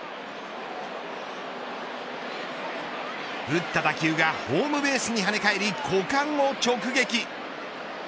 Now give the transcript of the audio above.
打った打球がホームベースに跳ね返り股間を直撃。